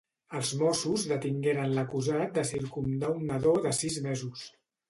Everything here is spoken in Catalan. Els mossos detingueren l'acusat de circumcidar un nadó de sis mesos.